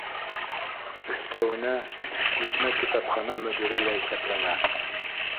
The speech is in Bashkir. Өҫтәүенә күсмә китапхана мөдире лә иҫәпләнә